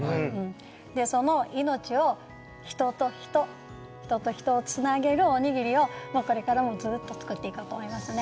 その命を人と人人と人をつなげるおにぎりをこれからもずっと作っていこうと思いますね。